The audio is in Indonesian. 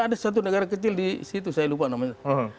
ada satu negara kecil di situ saya lupa namanya